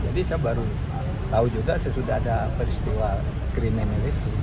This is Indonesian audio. jadi saya baru tahu juga sesudah ada peristiwa krimen itu